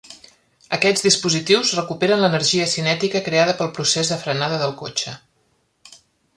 Aquests dispositius recuperen l'energia cinètica creada pel procés de frenada del cotxe.